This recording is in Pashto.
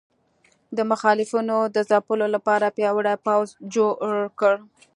د مخالفینو د ځپلو لپاره پیاوړی پوځ جوړ کړ.